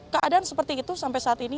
keadaan seperti itu sampai saat ini